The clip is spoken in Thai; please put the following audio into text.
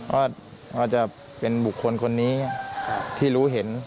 ว่าจะเป็นบุคคลคนนี้ที่รู้เห็น